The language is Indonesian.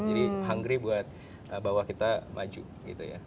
jadi hungry buat bawa kita maju gitu ya